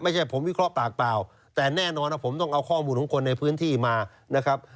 ไม่ใช่ผมวิเคราะห์ปากเปล่าแต่แน่นอนว่าผมต้องเอาข้อมูลของคนในพื้นที่มานะครับ